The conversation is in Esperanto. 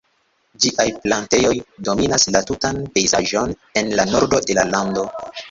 Ĝiaj plantejoj dominas la tutan pejzaĝon en la nordo de la lando.